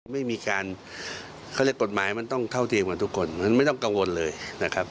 ไม่มีการเขาเรียกกฎหมายมันต้องเท่าเทียมกับทุกคนมันไม่ต้องกังวลเลยนะครับ